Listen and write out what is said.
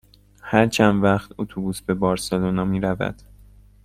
هر چند وقت اتوبوس به بارسلونا می رود؟